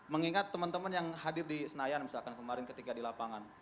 mengingat teman teman yang hadir di senayan misalkan kemarin ketika di lapangan